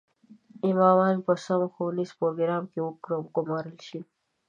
امامان په سم ښوونیز پروګرام کې وګومارل شي.